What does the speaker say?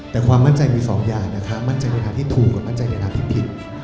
แต่ความมั่นใจมีสองอย่างนะคะมั่นใจในทางที่ถูกและมั่นใจในทางที่ผิด